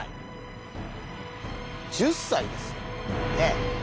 １０歳ですよねえ。